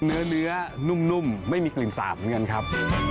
เนื้อนุ่มไม่มีกลิ่นสาบเหมือนกันครับ